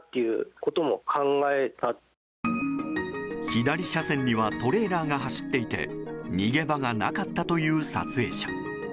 左車線にはトレーラーが走っていて逃げ場がなかったという撮影者。